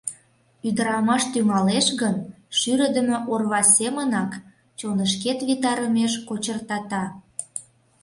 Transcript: Ӱдырамаш тӱҥалеш гын, шӱрыдымӧ орва семынак чонышкет витарымеш кочыртата.